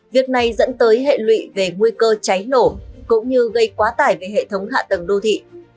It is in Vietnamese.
việc này dẫn tới hệ lụy về nguy cơ cháy nổ cũng như gây quá tải về hệ thống hạ tầng đô thị